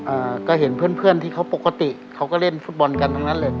อ่าก็เห็นเพื่อนเพื่อนที่เขาปกติเขาก็เล่นฟุตบอลกันทั้งนั้นเลย